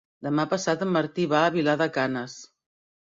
Demà passat en Martí va a Vilar de Canes.